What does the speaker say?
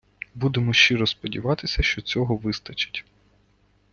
Будемо щиро сподіватися, що цього вистачить.